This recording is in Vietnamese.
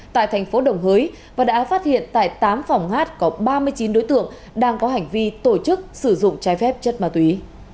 tại thành phố đồng hới và đã phát hiện tại tám phòng hát có ba mươi chín đối tượng đang có hành vi tổ chức sử dụng trái phép chất ma túy